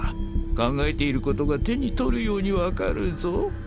考えていることが手に取るように分かるぞ。